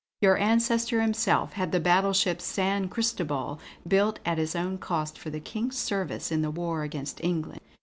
Your ancestor himself had the battleship San Cristobal built at his own cost for the King's service in the war against England.